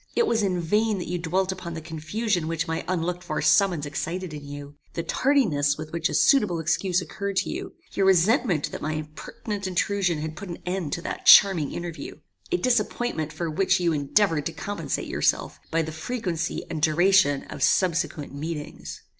It was in vain that you dwelt upon the confusion which my unlooked for summons excited in you; the tardiness with which a suitable excuse occurred to you; your resentment that my impertinent intrusion had put an end to that charming interview: A disappointment for which you endeavoured to compensate yourself, by the frequency and duration of subsequent meetings.